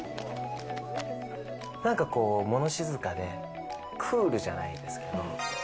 なんかこう、もの静かでクールじゃないですけど。